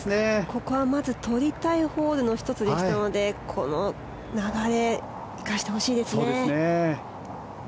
ここは、まず取りたいホールの１つでしたのでこの流れを生かしてほしいですね。